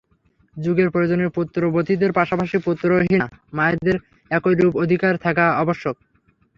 যুগের প্রয়োজনে পুত্রবতীদের পাশাপাশি পুত্রহীনা মায়েদেরও একই রূপ অধিকার থাকা আবশ্যক।